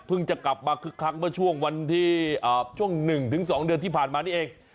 เพิ่งจะกลับมาคลักมาช่วงวันที่ช่วงหนึ่งถึงสองเดือนที่ผ่านมานี่เอง